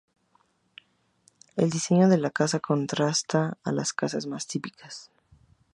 El diseño de la casa contrasta con las casas más típicas.